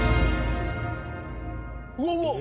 うわうわっ！